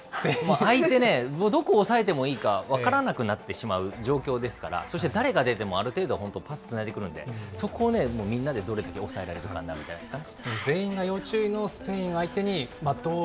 相手ね、どこを抑えてもいいか分からなくなってしまう状況ですから、そして誰が出てもある程度、パスつないでくるので、そこをみんなでどれだけ抑えられるかになるんじゃないですかね。